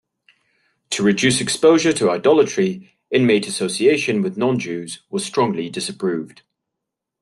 To reduce exposure to idolatry, intimate association with non-Jews was strongly disapproved.